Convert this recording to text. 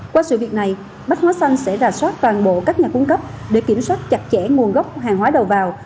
qua sự việc này bách hóa xanh sẽ rà soát toàn bộ các nhà cung cấp để kiểm soát chặt chẽ nguồn gốc hàng hóa đầu vào